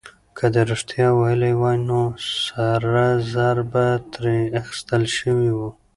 که ده رښتيا ويلي وای، نو سره زر به ترې اخيستل شوي وو.